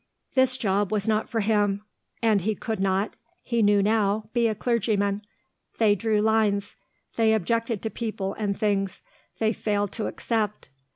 This job was not for him. And he could not, he knew now, be a clergyman. They drew lines; they objected to people and things; they failed to accept.